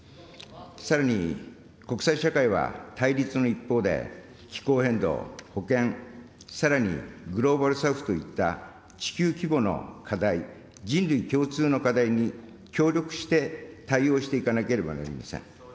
さらに、国際社会は対立の一方で、気候変動、保健、さらにグローバル・サウスといった地球規模の課題、人類共通の課題に協力して対応していかなければなりません。